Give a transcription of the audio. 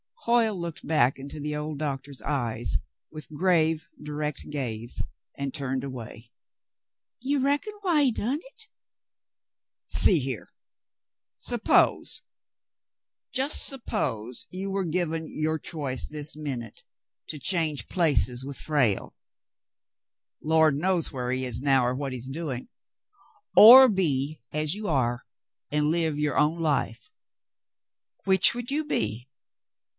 Hoyle looked back into the old doctor's eyes with grave, direct gaze, and turned away. "You reckon why he done hit ?" "See here. Suppose — just suppose you were given your choice this minute to change places with Frale — Lord knows where he is now, or what he's doing — or be as you are and live your own life ; which would you be